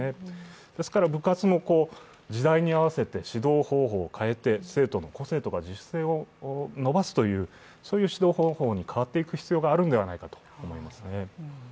ですから、部活も時代に合わせて指導方法を変えて、生徒の個性とか自主性を伸ばすという指導方法に変わっていく必要があるんではないかと思います。